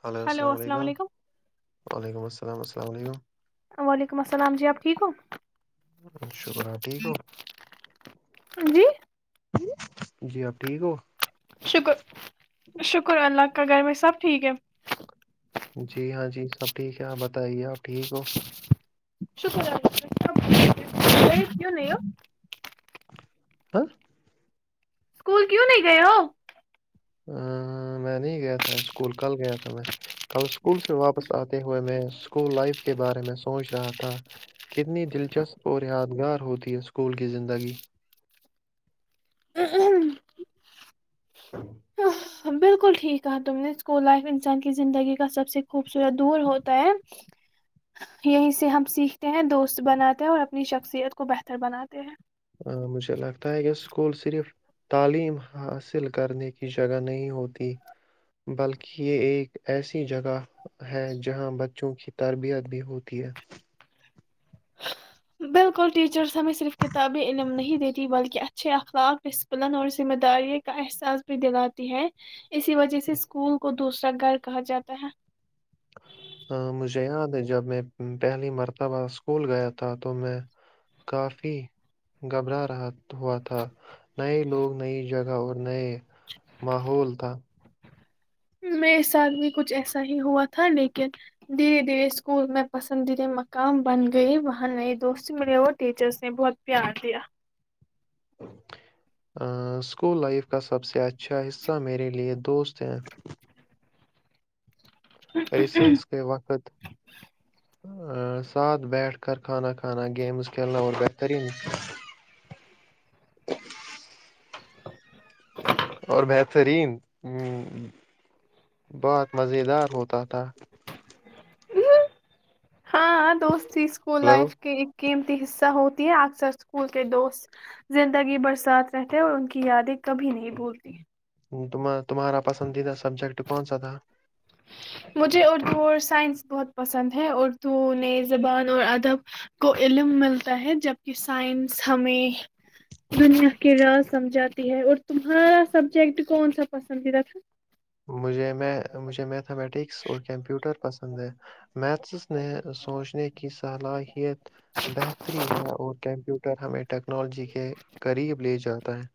Hello السلام علیکم وعلیکم السلام السلام علیکم وعلیکم السلام جی آپ ٹھیک ہو شکر ہ ٹھیک ہو جی جی آپ ٹھیک ہو شکر شکر اللہ کا گھر میں سب ٹھیک ہے جی ہاں جی سب ٹھیک ہے آپ بتائیے آپ ٹھیک ہو شکرہ ر کرسم کی نا یہ ہ اسکول کیوں نہیں گئے ہو ہ میں نہیں گیا تھا اسکول کل گیا تھا میں کل اسکول سے واپس آتے ہوئے میں اسکول لائف کے بارے میں سوچ رہا تھا کتنی دلچسپ اور یادگار ہوتی ہے اسکول کی زندگی ہ بالکل ٹھیک کہا تم نے اسکول لائف انسان کی زندگی کا سب سے خوبصورت دور ہوتا ہے یہیں سے ہم سیکھتے ہیں دوست بناتے ہیں اور اپنی شخصیت کو بہتر بناتے ہیں مجھے لگتا ہے کہ اسکول صرف تعلیم حاصل کرنے کی جگہ نہیں ہوتی بلکہ یہ ایک ایسی جگہ ہے جہاں بچوں کی تربیت بھی ہوتی ہے بالکل ٹیچرس ہمیں صرف کتابی علم نہیں دیتی بلکہ اچھے اخلاق ڈسپلن اور ذمہ داری کا احساس بھی دلاتی ہے اسی وجہ سے اسکول کو دوسرا گھر کہا جاتا ہے مجھے یاد ہے جب میں پہلی مرتبہ اسکول گیا تھا تو میں کافی گھبرا رہا ہوا تھا نئے لوگ نئی جگہ اور نئے محول تھا میرے ساتھ بھی کچھ ایسا ہی ہوا تھا لیکن دھیرے دھیرے اسکول میں پسندیدہ مقام بن گئی وہاں نئے دوست ملے اور ٹیچرس نے بہت پیار دیا سکول لائف کا سب سے اچھا حصہ میرے لیے دوست ہیں ریسرچ کے وقت ساتھ بیٹھ کر کھانا کھانا گیمز کھیلنا اور بہترین اور بہترین ا بہت مزیدار ہوتا تھا ہاںاں دوست [inaudible] اسی اسکول ہلو لائف کے ایک قیمتی حصہ ہوتی ہے اکثر اسکول کے دوست زندگی برساتھ رہتے ہیں اور ان کی یادیں کبھی نہیں بھولتی تمہارا پسندیدہ سبجیکٹ کون سا تھا [inaudible] مجھے اردو اور سائنس بہت پسند ہے اردو نئے زبان اور ادب کو علم ملتا ہے جبک سائنس ہمیں دنیا کے راز سمجھاتی ہے اور تمہارا سبجیکٹ کون سا پسندیدہ تھا مجھے [inaudible] میں مجھے میتھمیٹکس اور کمپیوٹر پسند انند [inaudible] میتھس نے سوچنے کی صلاحیت بہتری ہے اور کمپیو [inaudible] ٹر ہمیں ٹیکنالوجی کے قریب لے جاتا ہے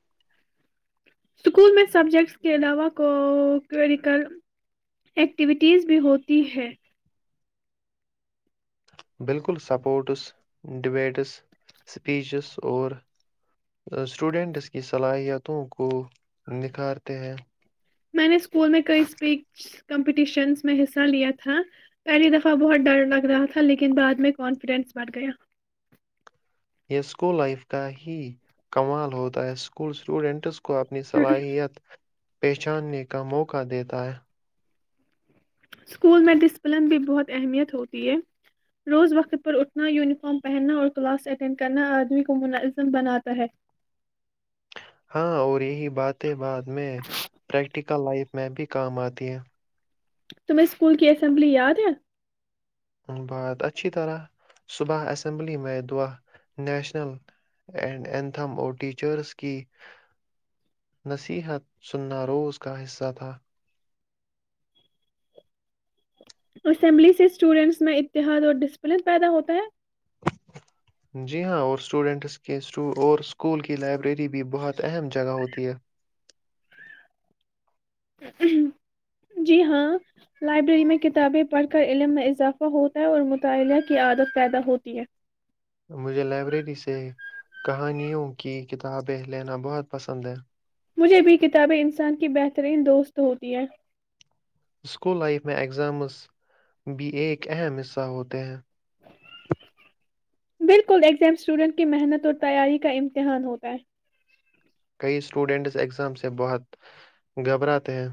اسکول میں سبجیکٹس کے علاوہ کوکوریکل ایکٹیویٹیز بھی ہوتی ہیں بالکل سپورٹس ڈبیٹس اسپیچس اور اسٹوڈنٹس کی صلاحیتوں کو نکھارتے ہیں میں نے اسکول میں کئی اسپیچ کمپٹیشنس میں حصہ لیا تھا پہلی دفعہ بہت ڈر لگ رہا تھا لیکن بعد میں کانفیڈینس بڑھ گیا یہ اسکول لائف کا ہی کمال ہوتا ہے اسکول اسٹوڈنٹس کو کو اپنی صلاحیت پہچاننے کا موقع دیتا ہے اسکول میں ڈسپلن بھی بہت اہمیت ہوتی ہے روز وقت پر اٹھنا یونیفارم پہننا اور کلاس اٹینڈ کرنا آدمی کو منظم بناتا ہے ہاں اور یہی باتیں بات میں پریکٹیکل لائف میں بھی کام آتی ہے تمہے اسکول کی اسمبلی یاد ہے نصیحت سنا روز کا حصہ تھا اسمبلی سے اسٹوڈینٹس میں اتحاد اور ڈسپلن پیدا ہوتا ہے جی ہاں اور اسٹوڈینٹس کے اور اسکول کی لائبریری بھی بہت اہم جگہ ہوتی ہے جی ہاں لائبریری میں کت کتابیں پڑھ کر علم میں اضافہ ہوتا ہے اور مطالعہ کی عادت پیدا ہوتی ہے مجھے لائبریری سے کہانیوں کی کتابیں لینا بہت پسند ہے مجھے بھی کتابیں انسان کی بہترین دوست ہوتی ہے اسکول لائف میں ایگزامس بھی ایک اہم حصہ ہوتے ہیں بالکل ایگزام اسٹوڈنٹ کی محنت اور تیاری کا امتحان ہوتا ہے کئی اسٹوڈنٹس ایگزام سے بہت گھبراتے ہیں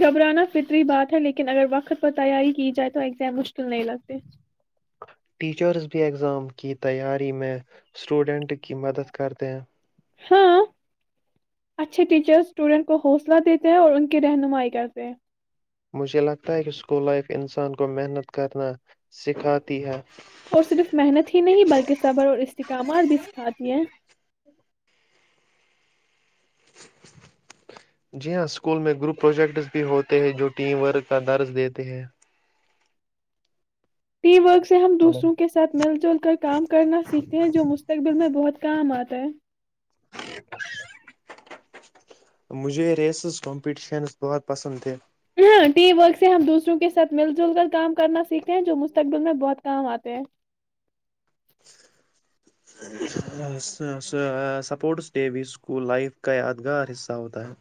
گھبرانا فطری بات ہے لیکن اگر وقت پر تیاری کی جائے تو ایگزام مشکل نہیں لگتے ٹیچرز بھی ایگزام کی تیاری میں سٹوڈنٹ کی مدد کرتے ہیں ہاں اچھے ٹیچر اسٹوڈینٹ کو حوصلہ دیتے ہیں اور ان کی رہنمائی کرتے ہیں مجھے لگتا ہے کہ اسکول لائف انسان کو محنت کرنا سکھاتی ہے اور صرف محنت ہی نہیں بلکہ صبر اور استحکامات بھی سکھاتی ہیں جی ہاں اسکول میں گروپ پروجیکٹس بھی ہوتے ہیں جو ٹیم ورک کا درز دیتے ہیں ٹی وکس سے ہم ہلو دوسروں کے ساتھ مل جل کر کام کرنا سیکھتے ہیں جو مستقبل میں بہت کام آتا تے ج مجھے ریسز کمپٹیشنز بہت پسند تھے ہ ٹیم ورک سے ہم دوسروں کے ساتھ مل جل کر کام کرنا سیکھتے ہیں جو مستقبل میں بہت کام آتے ہیں سپورٹس ڈے بھی اسکول لائف کا یادگار حصہ ہوتا ہے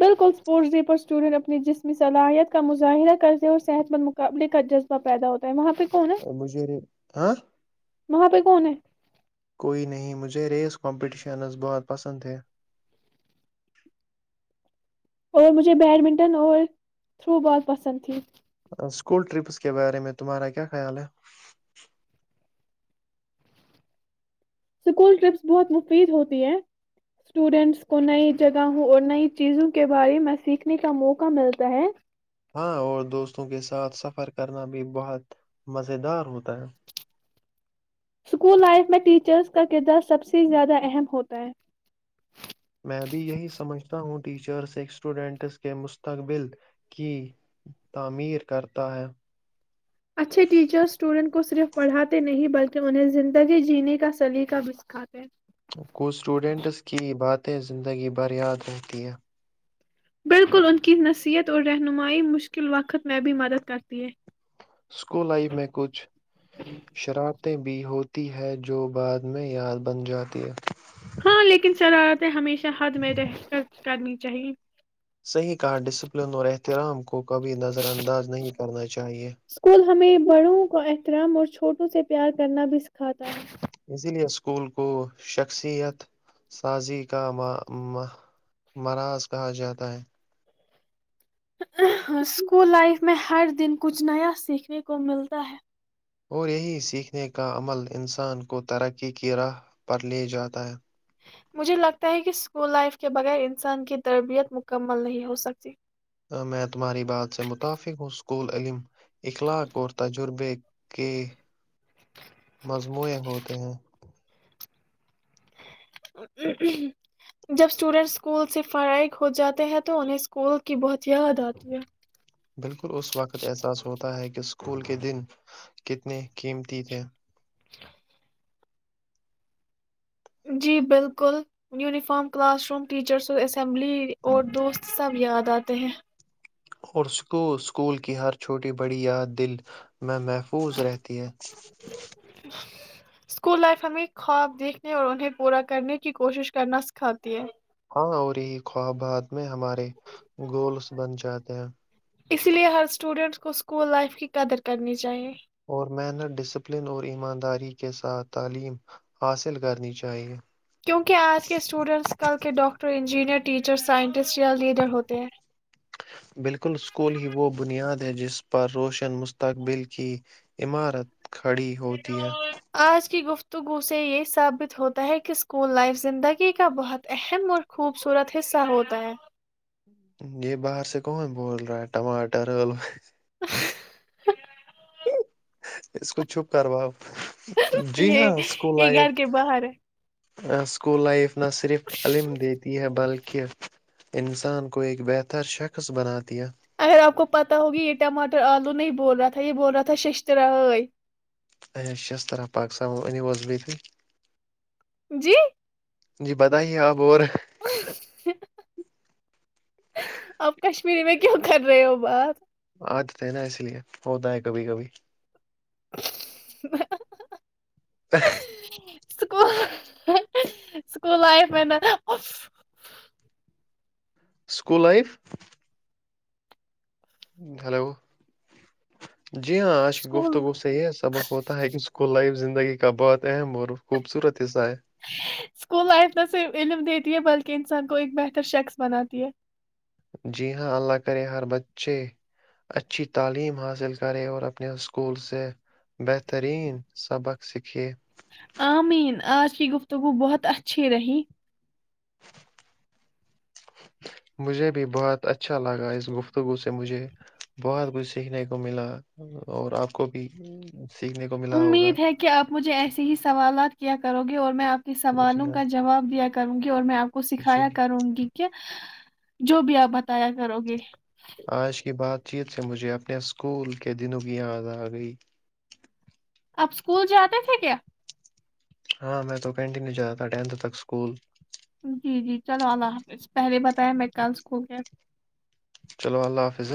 بالکل اسپورٹس ڈے پر اسٹوڈینٹ اپنی جسمی صلاحیت کا مظاہرہ کرتے ہیں اور صحت مند مقابلے کا جذبہ پیدا ہوتا ہے وہاں پہ کون مجری ہاں ماں پائی کون ہے کوئی نہیں مجھے ریس کمپٹیشنز بہت پسند تھے اور مجھے بیڈمنٹن اور تھرو بال پسند تھی اسکول ٹرپس کے بارے میں تمہارا کیا خیال ہے؟ اسکول ٹرپس بہت مفید ہوتی ہے اسٹوڈینٹس کو نئی جگہوں اور نئی چیزوں کے بارے میں سیکھنے کا موقع ملتا ہے ہاں اور دوستوں کے ساتھ سفر کرنا بھی بہت مزیدار ہوتا ہے اسکول لائف میں ٹیچرز کا کردار سب سے زیادہ اہم ہوتا ہے میں بھی یہی سمجھتا ہوں ٹیچرز ایک اسٹوڈنٹس کے مستقبل کی تعمیر کرتا ہے اچھے ٹیچر اسٹوڈنٹ کو صرف پڑھاتے نہیں بلکہ انہیں زندگی جینے کا سلیقہ بھی سکھاتے کچھ اسٹوڈنٹس کی باتیں زندگی بریاد رہتی ہے بالکل ان کی نصیحت اور رہنمائی مشکل وقت میں بھی مدد کرتی ہے اسکول لائف میں کچھ شراب بھی ہوتی ہے جو بعد میں یاد بن جاتی ہے ہاں لیکن شرارت ہے ہمیشہ ھ حد میں ر کرنی چاہیے صح کہا ڈسپلن ہو رہتے تلام کو کبھی نظر انداز نہیں کرنا چاہیے احترم اور چھوٹوں سے پیار کرنا بھی سکھاتا ہےوں اسی لیئے اسکول کو شخصیت سازی کا مراض کہا جاتا ہے اسکول لائف میں ہر دن کچھ نیا سیکھنے کو ملتا ہے اور یہی سیکھنے کا عمل انسان کو ترقی کی راہ پر لے جاتا ہے مجھے لگتا ہے کہ اسکول لائف کے بغیر انسان کی تربیت مکمل نہیں ہو سکتی میں تمہاری بات سے متفق ہوں اسکول علم اخلاق اور تجربے کے مجموع ہوتے ہیں جب اسٹوڈینٹ اسکول سے فرائغ ہو جاتے ہیں تو انہیں اسکول کی بہت یاد آتی ہے بالکل اس وقت احساس ہوتا ہے کہ اسکول کے دن کتنے قیمتی تھے جی بالکل یونیفارم کلاس روم ٹیچرس اور اسمبلی اور دوست سب یاد آتے ہیں اور اسک اسکول کی ہر چھوٹی بڑی یاد دل میں محفوظ رہتی ہے اسکول لائف ہمیں خواب دیکھنے اور انہیں پورا کرنے کی کوشش کرنا سکھاتی ہے اور یہی خوابات میں ہمارے گولس بن جاتے ہیں اسی لیے ہر اسٹوڈینٹ کو اسکول لائف کی قدر کرنی چاہیے اور محنت ڈسپلن اور ایمانداری کے ساتھ تعلیم حاصل کرنی چاہیئے کیونکہ آج کے اسٹوڈینٹس کل کے ڈاکٹر جیننیئر ٹیچرس سائن بالکل اسکول ہی وہ بنیاد جس پر روشن مستقبل کی عمارت کھڑی ہوتی ہے تو گوسے یہ ثابت ہوتا ہے کہ اسکول لائف زندگی کا بہت اہم اور خوبصورت حصہ ہوتا ہے یہ باہر سے کون بول رہا ہے ٹماٹر آلو اس کو چھپ کرواؤ جی یہ ہاں اسکول یہ لائف گھر کے باہر ہے اسکول لائف نہ صرف علم دیتی ہے بلکہ کہ انسان کو ایک بہتر شخص بناتا [inaudible] اگر آپ کو پتا ہوگی یہ ٹماٹر [inaudible] آلو نہیں بول رہا تھا یہ بول رہا تھا ششتر [inaudible] ای شیست طرہ پاکستان انیو بی [inaudible] جی جی بتائیے آپ اور اپ کشمیری میں [inaudible] کیوں کر رہے ہو بات [inaudible] آ جتے نا اس لیے ہوتا ہے کبھی کبھی [inaudible] [inaudible] [inaudible] اسک اسکول لائف میں [inaudible] اسکول لائف [inaudible] ہلو [inaudible] جی ہاں آج کی گفتگوت سے یہ ہے سبق ہوتا ہے اسکول لائفگی [inaudible] کبت ہے خوبصورت حصہ ہے اسکول لائف تو سے فلم [inaudible] ہے بلکہ انسان کو ایک بہتر شخص بناتی ہے [inaudible] جی ہاں اللہ کرے ہر بچے اچھی تعلیم حاصل کرے اور اپنے اسکول سے بہترین سبق سیکھے آمین آج کی گفتگو بہت اچھی رہی مجھے بھی بہت اچھا لگا اس گفتگو سے مجھے بہت کچھ سیکھنے کو ملا اور آپ کو بھی [inaudible] ملا ہوگا امید ہے کہ آپ مجھے ایسے ہی سوالات کیا کرو گی اور میں [inaudible] کہ جی سوالوں ہاں کا جواب دیا کروں گی اور میں آپ [inaudible] کو سکھایا جی کروں گی کہ جو بھی آپ م [unintelligible] یا کرو گے [unintelligible] آج کی بات چیت سے مجھے اپنے اسکول کے دنوں کی یاد آ گئی اپ اسکول جاتے تھے کیا ہاں میں تو کنٹینیو ج رہا تھا ٹینتھ تک اسکول [unintelligible] جی جی چلو اللہ حافظ پہلے بتایا میں کلس کو گیا [unintelligible] چلو اللہ حافظ